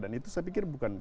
dan itu saya pikir bukan